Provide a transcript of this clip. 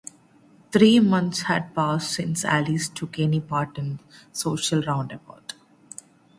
Three months had passed since Alice took any part in the social roundabout.